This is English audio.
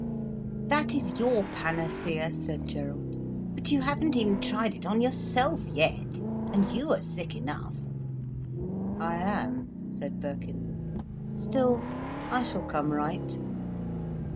"That is your panacea," said Gerald. "But you haven't even tried it on yourself yet, and you are sick enough." "I am," said Birkin. "Still, I shall come right."